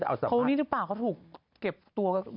เขาอยู่นี่เอามาสี่ปากเขาถูกเก็บตัวกับ